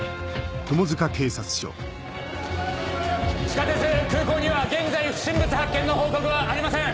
地下鉄空港には現在不審物発見の報告はありません。